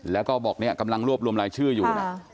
แล้วก็บอกเนี่ยกำลังรวบรวมรายชื่ออยู่นะ